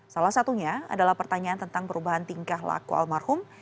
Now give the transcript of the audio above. salah satunya adalah pertanyaan tentang perubahan tingkah laku almarhum